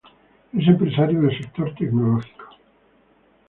Es empresario del sector tecnológico.